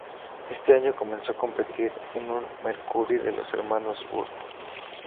Ese año comenzó a competir en un Mercury de los hermanos Wood.